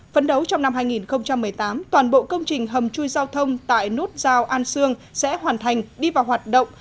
phấn đấu trong năm hai nghìn một mươi tám toàn bộ công trình hầm chui giao thông tại nút giao an sương sẽ hoàn thành đi vào hoạt động